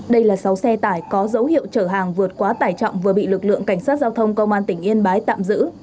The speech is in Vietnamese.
đây là sáu xe tải có dấu hiệu chở hàng vượt quá tải trọng vừa bị lực lượng cảnh sát giao thông công an tỉnh yên bái tạm giữ